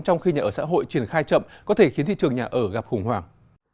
trong khi nhà ở xã hội triển khai chậm có thể khiến thị trường nhà ở gặp khủng hoảng